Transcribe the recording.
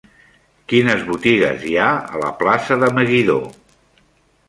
Quines botigues hi ha a la plaça de Meguidó?